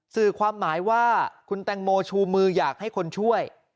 สื่อความหมายว่าคุณแตงโมชูมืออยากให้คนช่วย